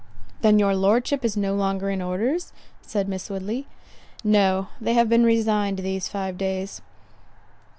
"Then your Lordship is no longer in orders?" said Miss Woodley. "No; they have been resigned these five days."